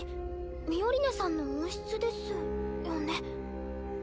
ミオリネさんの温室ですよね。